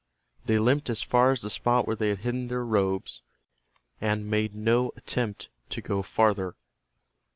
They limped as far as the spot where they had hidden their robes, and made no attempt to go farther.